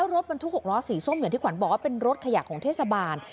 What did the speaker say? รถมันทุกรอสสีส้มอย่างที่ขวานบอกเป็นรถขยะของเทศบาล